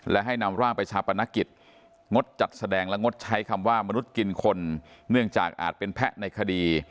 และให้นำร่างไปชาปนกิจงดจัดแสดงและงดใช้คำว่ามนุษย์กินคนเนื่องจากอาจเป็นแพะในคดี